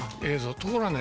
ところがね